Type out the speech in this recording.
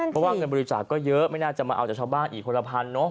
เพราะว่าเงินบริจาคก็เยอะไม่น่าจะมาเอาจากชาวบ้านอีกคนละพันเนอะ